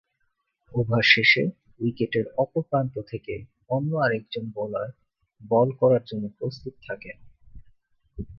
Over শেষে উইকেটের অপর প্রান্ত থেকে অন্য আরেকজন বোলার বল করার জন্য প্রস্তুত থাকেন।